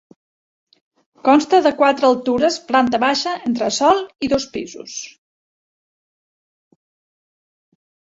Consta de quatre altures, planta baixa, entresòl i dos pisos.